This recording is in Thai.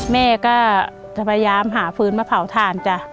แม่ก็จะพยายามหาฟื้นมาเผาถ่านจ้ะ